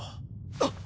あっ！